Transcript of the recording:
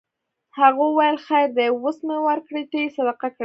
هغه وویل خیر دی اوس مې ورکړې ته یې صدقه کړه.